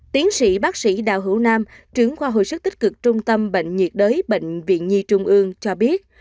tiến sĩ bác sĩ đào hữu nam trưởng khoa hồi sức tích cực trung tâm bệnh nhiệt đới bệnh viện nhi trung ương cho biết